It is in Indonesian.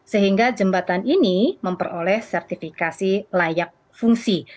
sehingga jembatan ini memperoleh sertifikasi layak fungsi